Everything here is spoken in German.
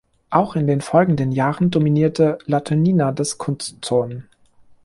Auch in den folgenden Jahren dominierte Latynina das Kunstturnen.